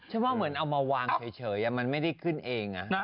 ฉันว่าเหมือนเอามาวางเฉยมันไม่ได้ขึ้นเอง